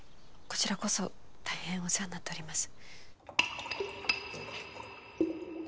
こちらこそ大変お世話になっております